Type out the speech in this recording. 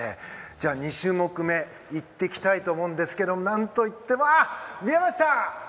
じゃあ、２種目めいきたいと思うんですが何といっても、見えました！